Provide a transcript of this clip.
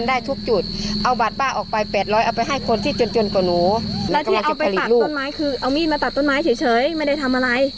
แล้วที่เอาไปตัดต้นไม้คือเอามีดมาตัดต้นไม้เฉยไม่ได้ทำอะไร